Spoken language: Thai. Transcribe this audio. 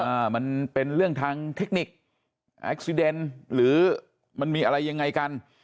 อ่ามันเป็นเรื่องทางเทคนิคแอ็กซิเดนหรือมันมีอะไรยังไงกัน